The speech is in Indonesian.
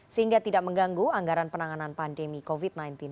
sehingga tidak mengganggu anggaran penanganan pandemi covid sembilan belas